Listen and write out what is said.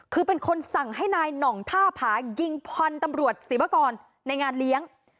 คือเป็นคนสั่งให้นายหน่องท่าผายิงพันธุ์ตำรวจศิวากรในงานเลี้ยง